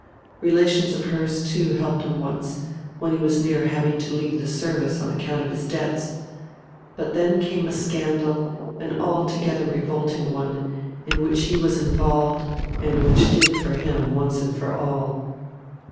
Relations of hers too helped him once, when he was near having to leave the service on account of his debts. But then came a scandal, an altogether revolting one, in which he was involved and which did for him once and for all."